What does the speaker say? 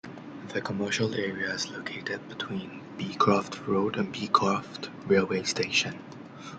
The commercial area is located between Beecroft Road and Beecroft railway station.